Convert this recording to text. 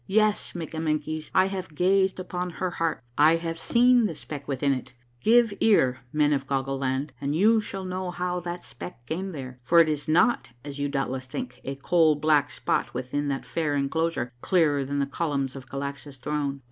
Yes, Mikkamenkies, I have gazed upon her heart ; I have seen the speck within it I Give ear. Men of Goggle Land, and you shall know how that speck came there ; for it is not, as you doubtless think, a coal black spot within that fair enclosure, clearer than the columns of Galaxa's throne.